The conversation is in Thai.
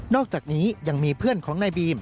อกจากนี้ยังมีเพื่อนของนายบีม